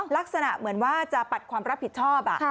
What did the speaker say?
ลักษณะเหมือนว่าจะปัดความรับผิดชอบ